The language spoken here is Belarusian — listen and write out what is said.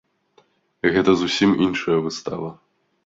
Гэта зусім іншая выстава!